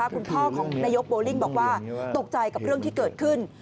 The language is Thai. คุณพ่อของนายกโบลิ่งบอกว่าตกใจกับเรื่องที่เกิดขึ้น